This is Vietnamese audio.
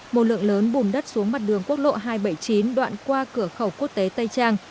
một lượng lớn bùn đất xuống mặt đường quốc lộ hai trăm bảy mươi chín đoạn qua cửa khẩu quốc tế tây trang